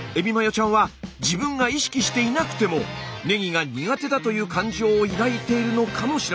ちゃんは自分が意識していなくてもねぎが苦手だという感情を抱いているのかもしれません。